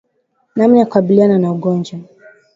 Namna ya kukabiliana na ugonjwa